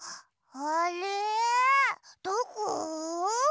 あれどこ？